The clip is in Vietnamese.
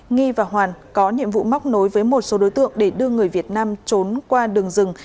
nghi và hoàn có nhiệm vụ móc nối với một số đối tượng để đưa người việt nam trốn qua đường rừng